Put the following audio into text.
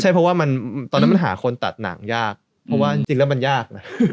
ใช่เพราะว่ามันตอนนั้นมันหาคนตัดหนังยากเพราะว่าจริงแล้วมันยากนะ